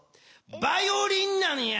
バイオリンなんや！